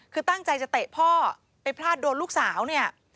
คือตั้งใจจะเตะพ่อไปพลาดโดนลูกสาวเนี่ย